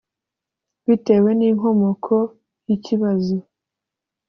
Bitewe n’inkomoko y’ikibazo